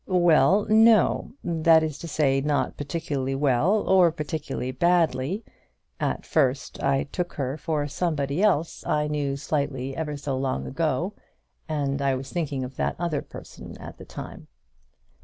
"Well, no; that is to say, not particularly well or particularly badly. At first I took her for somebody else I knew slightly ever so long ago, and I was thinking of that other person at the time."